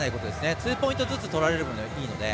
２ポイントずつ取られる分にはいいので。